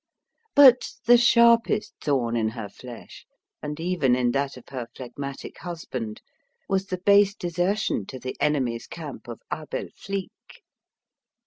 But the sharpest thorn in her flesh and even in that of her phlegmatic husband was the base desertion to the enemy's camp of Abel Flique.